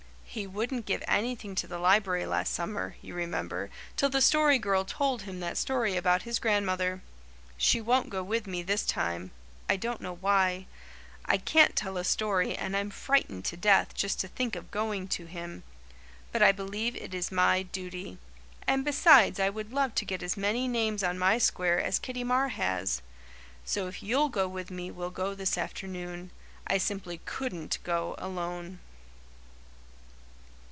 He wouldn't give anything to the library last summer, you remember, till the Story Girl told him that story about his grandmother. She won't go with me this time I don't know why. I can't tell a story and I'm frightened to death just to think of going to him. But I believe it is my duty; and besides I would love to get as many names on my square as Kitty Marr has. So if you'll go with me we'll go this afternoon. I simply COULDN'T go alone."